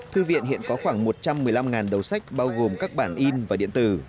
thư viện hiện có khoảng một trăm một mươi năm đầu sách bao gồm các bản in và điện tử